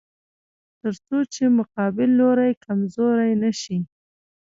تر څو چې مقابل لوری کمزوری نشي.